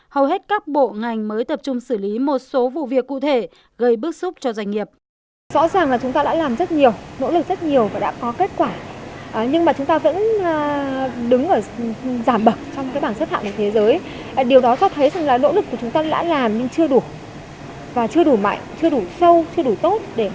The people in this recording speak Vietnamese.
hầu hết các bộ ngành mới tập trung xử lý một số vụ việc cụ thể gây bức xúc cho doanh nghiệp